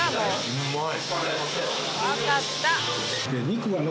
うまい。